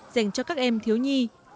dành cho các em thiếu nhi